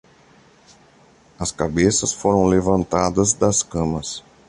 As cabeças foram levantadas das camas.